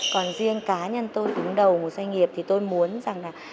còn riêng cá nhân tôi ứng đầu một doanh nghiệp thì tôi muốn rằng là